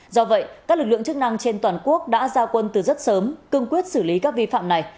do vậy các lực lượng chức năng trên toàn quốc đã ra quân từ rất sớm cương quyết xử lý các vi phạm này